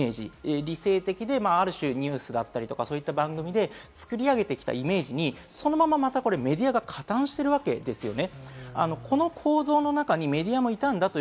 これはまさに井ノ原さんが持っている良いイメージ、理性的で、ある種ニュースだったり、そういった番組で作り上げてきたイメージにそのまま、またメディアが加担しているわけですよね。